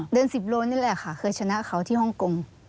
เดือน๑๐โลนี่แหละค่ะเคยชนะเขาที่ฮ่องกง